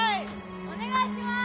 お願いします！